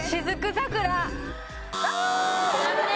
残念。